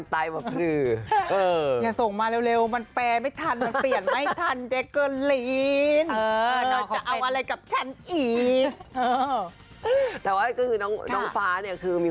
แต่ว่าน้องฟ้ามีความตั้งใจจริงนะค่ะ